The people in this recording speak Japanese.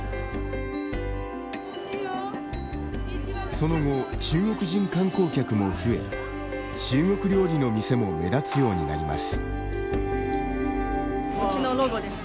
その後、中国人観光客も増え中国料理の店も目立つようになります。